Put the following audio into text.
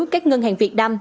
của các ngân hàng việt nam